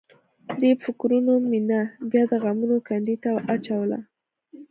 دې فکرونو مينه بیا د غمونو کندې ته اچوله